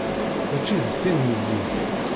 Mačči d tin zik.